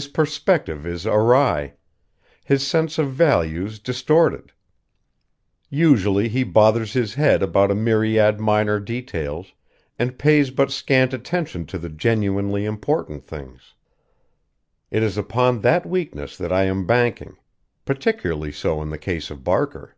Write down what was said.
His perspective is awry, his sense of values distorted. Usually he bothers his head about a myriad minor details, and pays but scant attention to the genuinely important things. It is upon that weakness that I am banking particularly so in the case of Barker."